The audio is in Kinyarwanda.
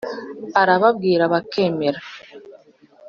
Arababwira bakemera.